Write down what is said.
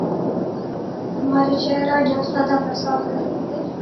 ہمارے شہر آجاؤ صدا برسات رہتی ہے